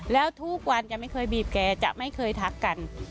แล้วทุกวันจะไม่เคยบีบแกจะไม่เคยทักกัน